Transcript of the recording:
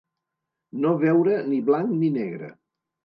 No veure ni blanc ni negre.